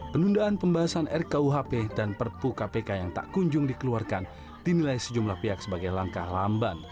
penundaan pembahasan rkuhp dan perpu kpk yang tak kunjung dikeluarkan dinilai sejumlah pihak sebagai langkah lamban